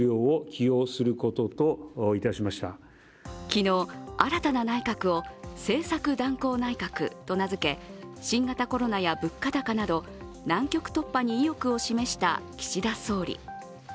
昨日、新たな内閣を政策断行内閣と名付け新型コロナや物価高など、難局突破に意欲を示した岸田総理。